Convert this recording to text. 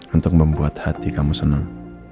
untuk membuat hati kamu senang